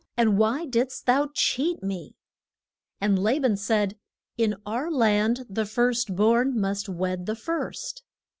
and why did'st thou cheat me? And La ban said, In our land the first born must wed the first.